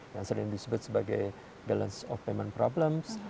yang sering disebut sebagai balance of payment problems